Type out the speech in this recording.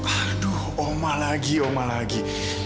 aduh oma lagi oma lagi